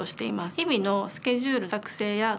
日々のスケジュール作成や管理